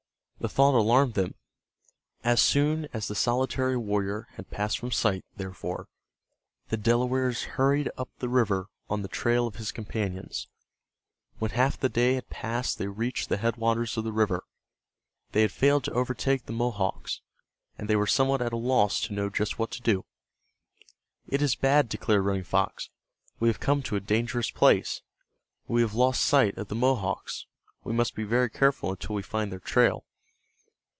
The thought alarmed them. As soon as the solitary warrior had passed from sight, therefore, the Delawares hurried up the river on the trail of his companions. When half of the day had passed they reached the headwaters of the river. They had failed to overtake the Mohawks, and they were somewhat at a loss to know just what to do. "It is bad," declared Running Fox. "We have come to a dangerous place. We have lost sight of the Mohawks. We must be very careful until we find their trail."